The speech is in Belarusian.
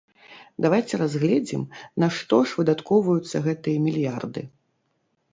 Давайце разгледзім, на што ж выдаткоўваюцца гэтыя мільярды?